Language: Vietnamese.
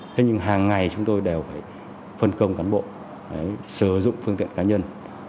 thế nhưng hàng ngày chúng tôi đều phải phân công cán bộ sử dụng phương tiện cá nhân